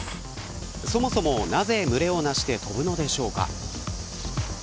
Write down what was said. そもそもなぜ群れをなして飛ぶのでしょうか。